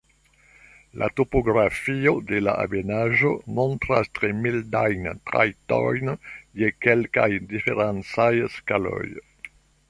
La topografio de la ebenaĵo montras tre mildajn trajtojn je kelkaj diferencaj skaloj.